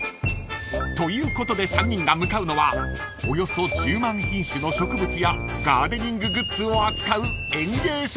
［ということで３人が向かうのはおよそ１０万品種の植物やガーデニンググッズを扱う園芸ショップ］